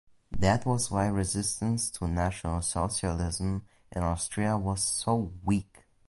That was why resistance to National Socialism in Austria was so weak.